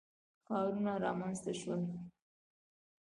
ښارونه رامنځته شول.